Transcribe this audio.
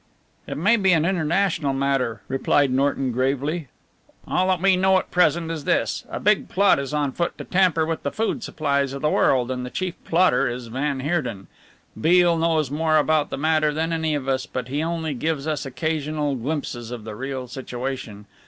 "It may be an international matter," replied McNorton gravely, "all that we know at present is this. A big plot is on foot to tamper with the food supplies of the world and the chief plotter is van Heerden. Beale knows more about the matter than any of us, but he only gives us occasional glimpses of the real situation.